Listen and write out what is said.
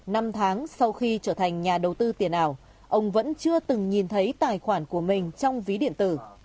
năm tháng sau khi trở thành nhà đầu tư tiền ảo ông vẫn chưa từng nhìn thấy tài khoản của mình trong ví điện tử